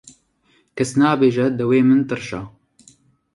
Kes nabêje dewê min tirş e.